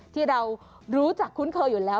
ที่เรารู้จักคุ้นเคยอยู่แล้ว